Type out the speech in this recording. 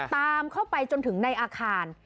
ตามเข้าไปจนถึงในอาคาร